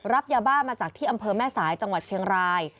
รับยาบ้ามาจากที่อำเภอแม่สายจังหวัดเชียงราย